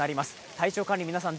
体調管理、皆さん